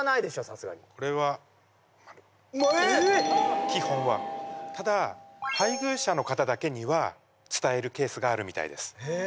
さすがにこれはマルえっただ配偶者の方だけには伝えるケースがあるみたいですへえ